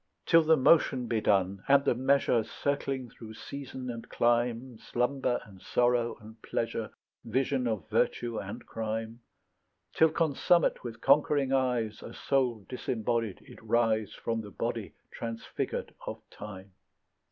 Till the motion be done and the measure Circling through season and clime, Slumber and sorrow and pleasure, Vision of virtue and crime; Till consummate with conquering eyes, A soul disembodied, it rise From the body transfigured of time.